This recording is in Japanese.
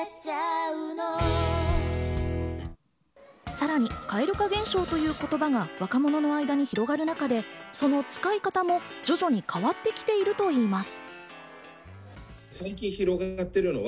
さらに蛙化現象という言葉が若者の間に広がる中で、その使い方も徐々に変わってきているといいます。